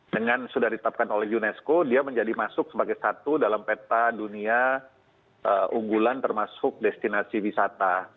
dengan sudah ditetapkan oleh unesco dia menjadi masuk sebagai satu dalam peta dunia unggulan termasuk destinasi wisata